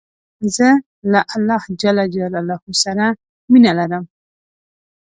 زه له الله ج سره مینه لرم.